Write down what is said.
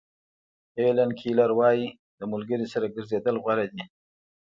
هیلن کیلر وایي د ملګري سره ګرځېدل غوره دي.